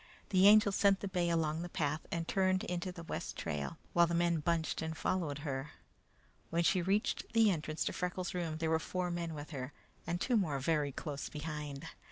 The Angel sent the bay along the path and turned into the west trail, while the men bunched and followed her. When she reached the entrance to Freckles' room, there were four men with her, and two more very close behind.